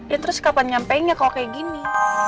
ya terus kapan nyampeinnya kalau kayak gini